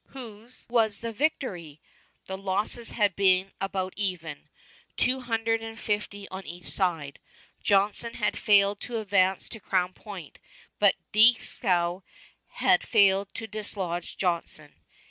Whose was the victory? The losses had been about even, two hundred and fifty on each side. Johnson had failed to advance to Crown Point, but Dieskau had failed to dislodge Johnson.